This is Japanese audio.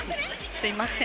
すみません。